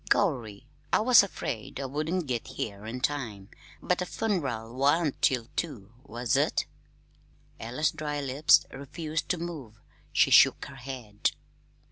Gorry! I was afraid I wouldn't git here in time, but the fun'ral wan't till two, was it?" Ella's dry lips refused to move. She shook her head.